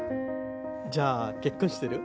じゃあ結婚してる？